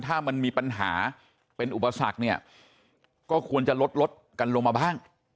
ถ้ามันมีปัญหาเป็นอุปสรรคเนี่ยก็ควรจะลดลดกันลงมาบ้าง